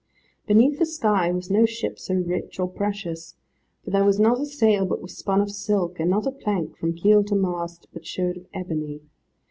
Beneath the sky was no ship so rich or precious, for there was not a sail but was spun of silk, and not a plank, from keel to mast, but showed of ebony.